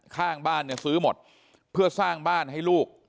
ข้างบ้านเนี่ยซื้อหมดเพื่อสร้างบ้านให้ลูก